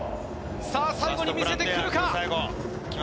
最後に見せてくるか。